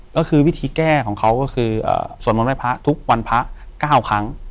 ก็คือวิธีแก้ของเขาก็คือสวดมนต์ไว้พระทุกวันพระ๙ครั้ง